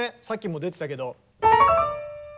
さっきも出てたけど。